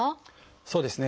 そうですね。